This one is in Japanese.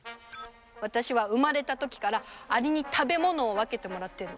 私は生まれたときからアリに食べ物を分けてもらってる。